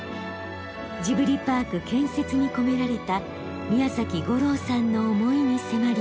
ジブリパーク建設に込められた宮崎吾朗さんの思いに迫ります。